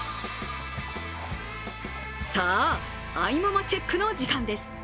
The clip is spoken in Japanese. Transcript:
さあ、愛ママチェックの時間です。